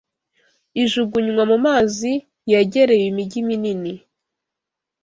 ijugunywa mu mazi yegereye imijyi minini.